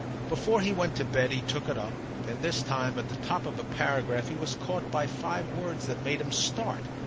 Before he went to bed he took it up, and this time, at the top of a paragraph, he was caught by five words that made him start.